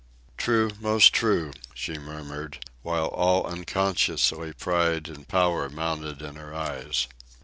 '" "True, most true," she murmured, while all unconsciously pride and power mounted in her eyes.